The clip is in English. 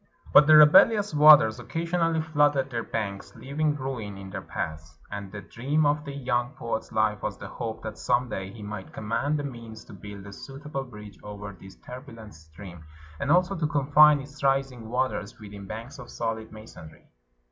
But the rebellious waters occasionally flooded their banks, leaving ruin in their path, and the dream of the young poet's life was the hope that some day he might command the means to build a suitable bridge over this turbulent stream, and also to confine its rising waters within banks of solid masonry.